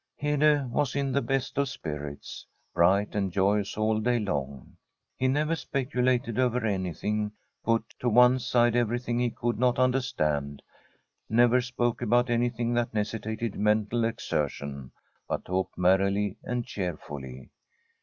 Hede was in the best of spirits — bright and joyous all day long. He never speculated over anything, put to one side everything he could not understand, never spoke about anything that necessitated mental exertion, but talked merrily and cheerfully.